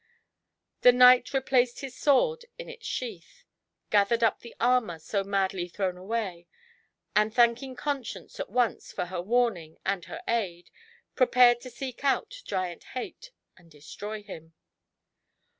The knight replaced his sword in its sheath, gathered up the armour so madly thrown away, and thanking Conscience at once for her warning and her aid, prepared to seek out Giant Hate and destroy him.